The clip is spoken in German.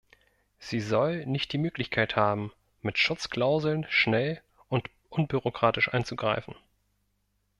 Sie soll nicht die Möglichkeit haben, mit Schutzklauseln schnell und unbürokratisch einzugreifen.